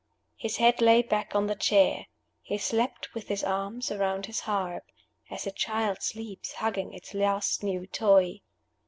His head lay back on the chair. He slept with his arms around his harp, as a child sleeps hugging its last new toy.